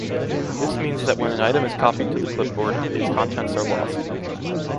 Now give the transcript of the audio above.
This means that when an item is copied to the clipboard, its contents are lost.